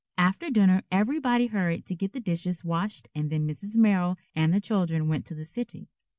After dinner everybody hurried to get the dishes washed and then Mrs. Merrill and the children went to the city.